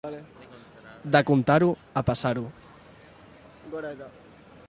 De contar-ho a passar-ho.